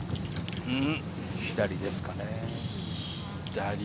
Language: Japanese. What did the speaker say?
左ですかね。